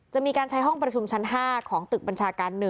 จะมีการใช้ห้องประชุมชั้น๕ของตึกบัญชาการ๑